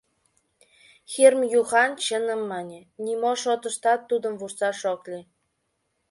Хирм Юхан чыным мане, нимо шотыштат тудым вурсаш ок лий.